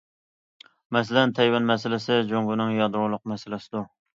مەسىلەن: تەيۋەن مەسىلىسى جۇڭگونىڭ يادرولۇق مەسىلىسىدۇر.